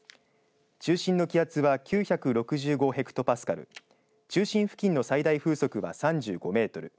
中心の気圧は９６５ヘクトパスカル中心付近の最大風速は３５メートル